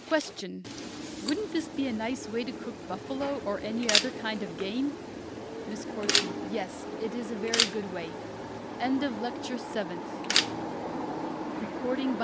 Question. Wouldn't this be a nice way to cook buffalo or any other kind of game? MISS CORSON. Yes, it is a very good way. LECTURE EIGHTH. MEATS AND VEGETABLES.